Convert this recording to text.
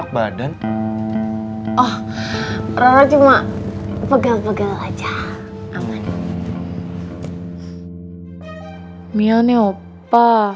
jadi rosa vip kaulah basic kok